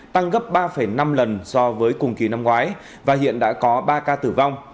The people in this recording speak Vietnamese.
tăng gấp ba năm lần so với cùng kỳ năm ngoái và hiện đã có ba ca tử vong